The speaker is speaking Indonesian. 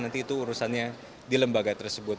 nanti itu urusannya di lembaga tersebut